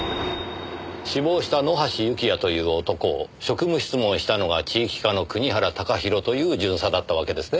死亡した野橋幸也という男を職務質問したのが地域課の国原貴弘という巡査だったわけですね。